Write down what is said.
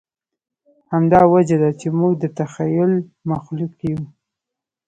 همدا وجه ده، چې موږ د تخیل مخلوق یو.